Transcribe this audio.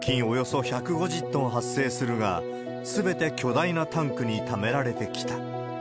およそ１５０トン発生するが、すべて巨大なタンクにためられてきた。